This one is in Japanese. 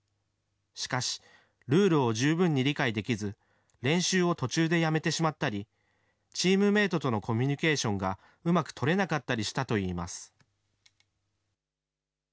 しかし、ルールを十分に理解できず、練習を途中でやめてしまったり、チームメートとのコミュニケーションがうまく取れなかったりしたといいます。